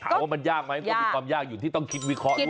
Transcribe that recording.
ว่ามันยากไหมก็มีความยากอยู่ที่ต้องคิดวิเคราะห์ด้วย